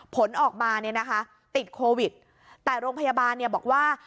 ผลออกมาเนี่ยนะคะติดโควิดแต่โรงพยาบาลเนี่ยบอกว่า